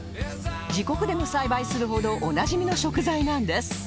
自国でも栽培するほどおなじみの食材なんです